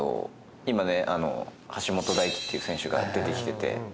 今橋本大輝って選手が出てきてて。